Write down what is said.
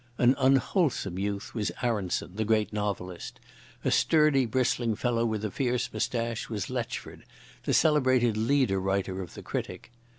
An unwholesome youth was Aronson, the great novelist; a sturdy, bristling fellow with a fierce moustache was Letchford, the celebrated leader writer of the Critic.